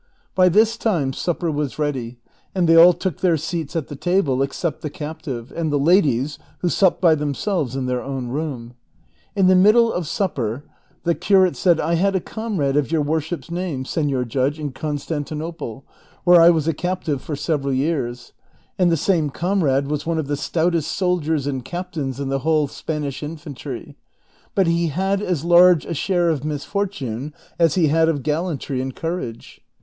" By this time supper was ready, and they all took their seats at the table, except the captive, and the ladies, who supped by themselves in their own room.^ In the middle of supper the curate said, " I had a comrade of your worship's name, Senor Judge, in Constantinople, where I was a captive for several years, and the same comrade was one of the stoutest soldiers and captains in the whole Spanish infantry ; but he had as large a share of misfortune as he had of gallantry and cour age."